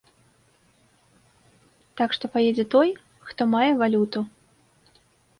Так што паедзе той, хто мае валюту.